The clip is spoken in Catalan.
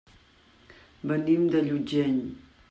Venim de Llutxent.